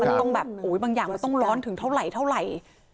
มันต้องแบบโอ้ยบางอย่างมันต้องร้อนถึงเท่าไหร่เท่าไหร่